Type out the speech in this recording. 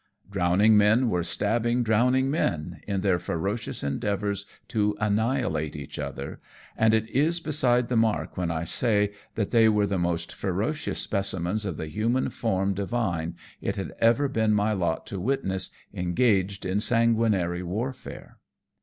Drowning men were stabbing drowning men, in their ferocious endeavours to anni hilate each other, and it is beside the mark when I say, that they were the most ferocious specimens of the human form divine it had ever been my lot to witness engaged in sanguinary warfare.